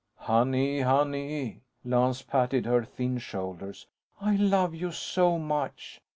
"Honey, honey!" Lance patted her thin shoulders. "I love you so much."